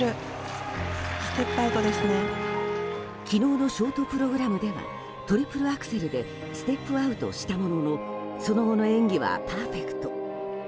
昨日のショートプログラムではトリプルアクセルでステップアウトしたもののその後の演技はパーフェクト。